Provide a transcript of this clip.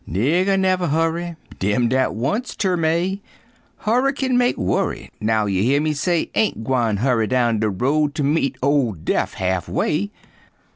Nigger nuver hurry, Dem w'at wants ter may; Hurry hit mek worry! Now you year me say Ain' gwine hurry down de road ter meet ol' Def half way!